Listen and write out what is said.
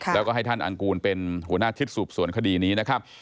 แล้วก็ให้ท่านอังกูลเป็นหัวหน้าชุดสืบสวนคดีนี้นะครับ